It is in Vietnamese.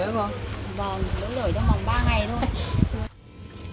bà lỡ lỡi trong khoảng ba ngày thôi